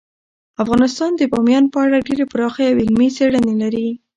افغانستان د بامیان په اړه ډیرې پراخې او علمي څېړنې لري.